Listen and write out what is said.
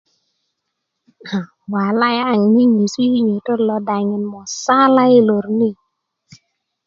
um walai kaŋ ni yi' nyesu kinyotot lo daŋin musala i lor ni